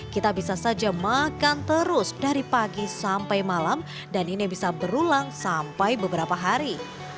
kita bisa saja makan terus dari pagi sampai malam dan ini bisa berulang sampai beberapa hari